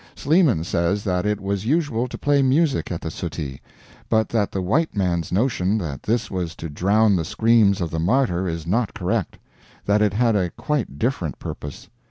Sleeman says that it was usual to play music at the suttee, but that the white man's notion that this was to drown the screams of the martyr is not correct; that it had a quite different purpose.